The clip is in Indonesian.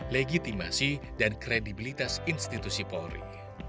legitimasi dan kredibilitas institusi polri